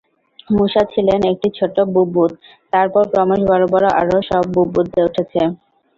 মুশা ছিলেন একটি ছোট বুদ্বুদ, তারপর ক্রমশ বড় বড় আরও সব বুদ্বুদ উঠেছে।